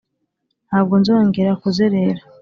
Ntabwo nzongera kuzerera